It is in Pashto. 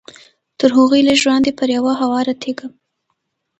تر هغوی لږ وړاندې پر یوه هواره تیږه.